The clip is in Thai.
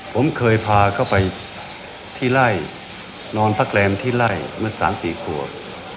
ผมเคยพาเขาไปที่ใล้นอนพระแกรมที่ใล้ตั้งแต่๓๔ขวบ